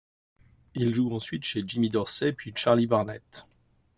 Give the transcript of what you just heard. Il joue ensuite chez Jimmy Dorsey puis Charlie Barnet.